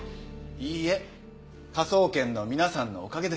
いいえ科捜研の皆さんのおかげです。